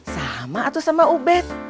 sama atau sama ubed